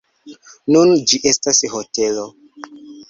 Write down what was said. Nun ĝi estas hotelo.